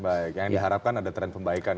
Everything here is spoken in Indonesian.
baik yang diharapkan ada tren perbaikan